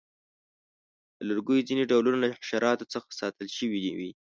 د لرګیو ځینې ډولونه له حشراتو څخه ساتل شوي وي.